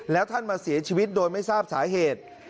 แล้วท่านมาเสียชีวิตโดยไม่ทราบสาเหตุ